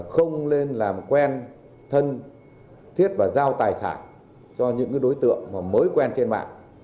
không nên làm quen thân thiết và giao tài sản cho những đối tượng mới quen trên mạng